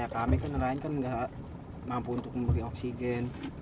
model kaya kami kan lain lain kan gak mampu untuk membeli oksigen